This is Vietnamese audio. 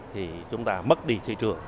thì chúng ta mất đi thị trường